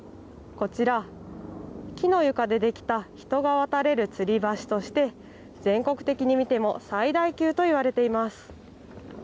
こちら木の床で出来た人が渡れるつり橋として全国的に見ても最大級といわれています。